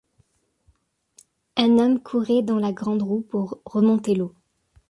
Un homme courait dans la grande roue pour remonter l'eau.